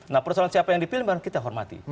nah persoalan siapa yang dipilih barangkita hormati